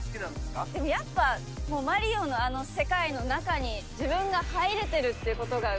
でもやっぱもう『マリオ』の世界の中に自分が入れてるっていうことがうれしい。